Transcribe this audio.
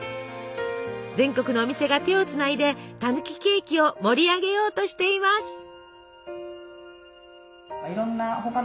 全国のお店が手をつないでたぬきケーキを盛り上げようとしています。